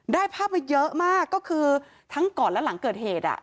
ได้ภาพมาเยอะมากก็คือทั้งก่อนและหลังเกิดเหตุ